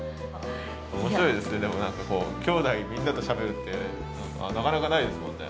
面白いですねでも何かこうきょうだいみんなとしゃべるってなかなかないですもんね。